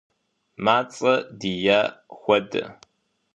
Мацӏэ дия хуэдэ.